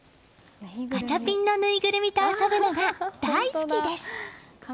ガチャピンのぬいぐるみと遊ぶのが大好きです！